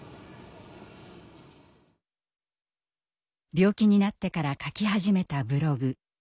病気になってから書き始めたブログ。